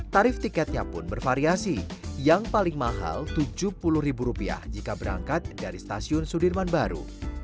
tarif tiketnya pun bervariasi yang paling mahal rp tujuh puluh jika berangkat dari stasiun sudirman baru